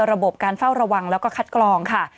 ระบบการเฝ้าระวังแล้วก็คัดกรองค่ะ